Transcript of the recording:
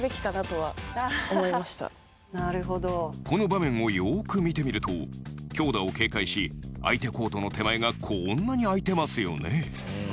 この場面を、よく見てみると強打を警戒し相手コートの手前がこんなに空いてますよね。